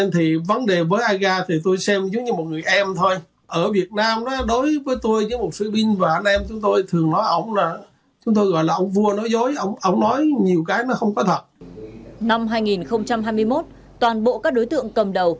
năm hai nghìn hai mươi một toàn bộ các đối tượng cầm đầu